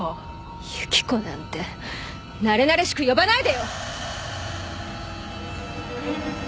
雪子なんてなれなれしく呼ばないでよ！